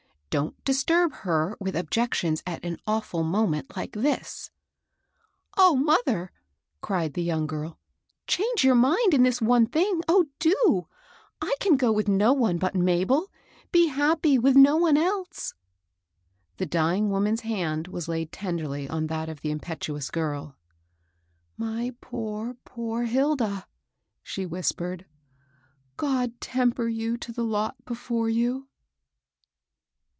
"Don't disturb her with objections at an awftd moment like this.'* O mother I '' cried the young girl, " change your mind in this one thing, — oh, do 1 I can go with no one but Mabel; be happy with no one else." The dying woman's hand was laid tenderly on that of the impetuous girl. " My poor, poor Hilda !" she whispered. " God temper you to the lot before you